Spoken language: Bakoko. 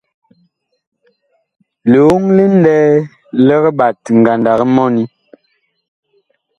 Lioŋ li ŋlɛɛ lig ɓat ngandag mɔni.